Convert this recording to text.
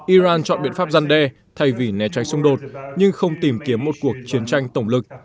iran chọn biện pháp gian đe thay vì né tránh xung đột nhưng không tìm kiếm một cuộc chiến tranh tổng lực